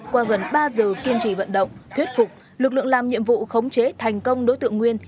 qua gần ba giờ kiên trì vận động thuyết phục lực lượng làm nhiệm vụ khống chế thành công đối tượng nguyên